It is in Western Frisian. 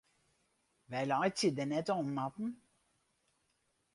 Wy laitsje der net om, Marten.